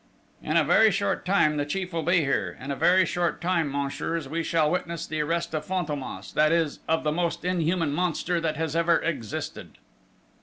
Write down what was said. "In a very short time, the chief will be here; in a very short time, messieurs, we shall witness the arrest of Fantômas, that is, of the most inhuman monster that has ever existed!"